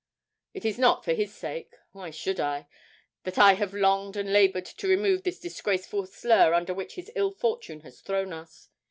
It is not for his sake why should I? that I have longed and laboured to remove the disgraceful slur under which his ill fortune has thrown us.